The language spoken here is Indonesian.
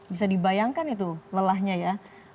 bisa dibayangkan itu lelahnya ya